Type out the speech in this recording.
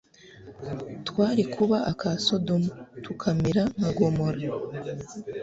twari kuba aka sodoma, tukamera nka gomora